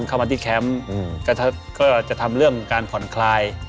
เข้ามาที่แคมป์ก็จะทำเรื่องการผ่อนคลาย